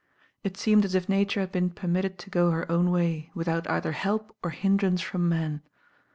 It seemed at if Nature had been permitted to go her own way, without either help or hindrance from man.